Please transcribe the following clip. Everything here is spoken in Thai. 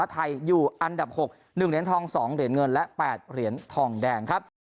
ไทยอยู่อันดับ๖๑เหรียญทอง๒เหรียญเงินและ๘เหรียญทองแดงครับ